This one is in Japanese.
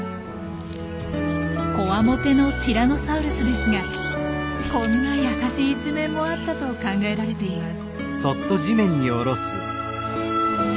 こわもてのティラノサウルスですがこんな優しい一面もあったと考えられています。